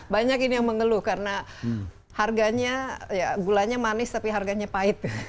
banyak ini yang mengeluh karena harganya ya gulanya manis tapi harganya pahit